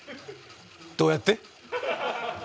どうやって？